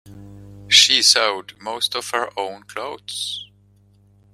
She sewed most of her own clothes.